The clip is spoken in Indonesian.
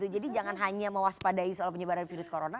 jadi jangan hanya mewaspadai soal penyebaran virus corona